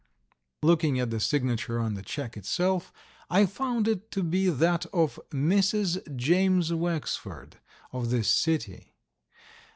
Looking at the signature on the check itself, I found it to be that of Mrs. James Wexford, of this city.